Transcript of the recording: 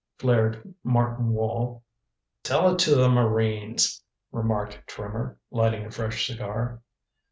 flared Martin Wall. "Tell it to the marines," remarked Trimmer, lighting a fresh cigar.